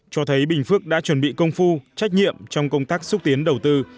cho thấy bình phước đã chuẩn bị công phu trách nhiệm trong công tác xúc tiến đầu tư